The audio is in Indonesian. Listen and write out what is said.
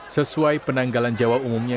sesuai penanggalan jawa umumnya